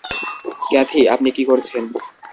Kathy, আপনি কি করছেন?